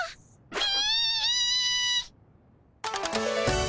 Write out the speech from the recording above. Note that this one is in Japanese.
ピ。